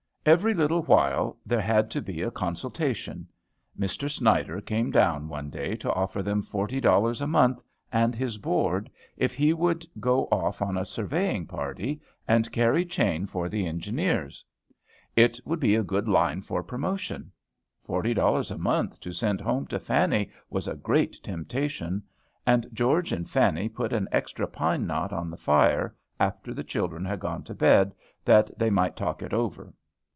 Every little while there had to be a consultation. Mr. Snyder came down one day to offer him forty dollars a month and his board, if he would go off on a surveying party and carry chain for the engineers. It would be in a good line for promotion. Forty dollars a month to send home to Fanny was a great temptation. And George and Fanny put an extra pine knot on the fire, after the children had gone to bed, that they might talk it over.